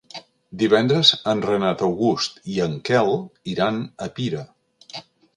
Divendres en Renat August i en Quel iran a Pira.